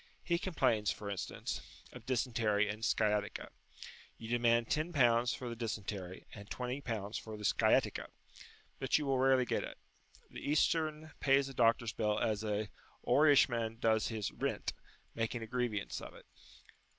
He complains, for instance, of dysentery and sciatica. You demand L10 for the dysentery, and L20 for the sciatica. But you will rarely get it. The Eastern pays a doctor's bill as an Oirishman does his "rint," making a grievance of it.